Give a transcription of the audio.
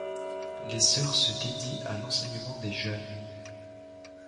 Les sœurs se dédient à l'enseignement des jeunes.